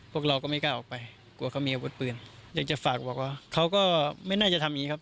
พวกเราก็ไม่กล้าออกไปกลัวเขามีอาวุธปืนอยากจะฝากบอกว่าเขาก็ไม่น่าจะทำอย่างงี้ครับ